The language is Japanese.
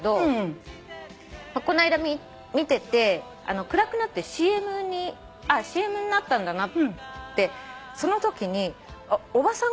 この間見てて暗くなってＣＭになったんだなってそのときにおばさんがうっすら出て。